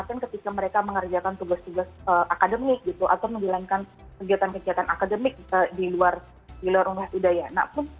maksudnya ketika mereka mengerjakan tugas tugas akademik gitu atau menggilainkan kegiatan kegiatan akademik di luar universitas udayana pun